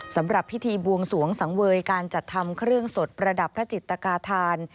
สำหรับพิธีบวงสวงสังเวยการจัดทำเครื่องสดประดับพระจิตกาธาน